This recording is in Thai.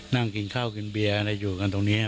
นั่งกินข้าวกินเบียร์อะไรอยู่กันตรงนี้